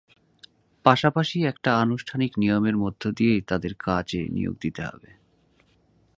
পাশাপাশি একটা আনুষ্ঠানিক নিয়মের মধ্য দিয়ে তাঁদের কাজে নিয়োগ দিতে হবে।